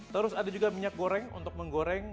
terus ada juga minyak goreng untuk menggoreng